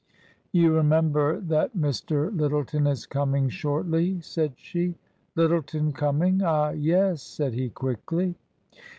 " You remember that Mr. Lyttleton is coming shortly ?" said she. " Lyttleton coming ! Ah, yes !" said he, quickly.